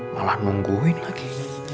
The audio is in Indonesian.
malah nungguin lagi